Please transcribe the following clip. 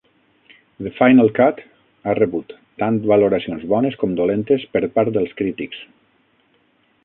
"The Final Cut" ha rebut tant valoracions bones com dolentes per part dels crítics.